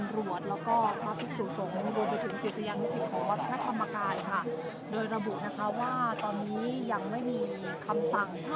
มีผู้ที่ได้รับบาดเจ็บและถูกนำตัวส่งโรงพยาบาลเป็นผู้หญิงวัยกลางคน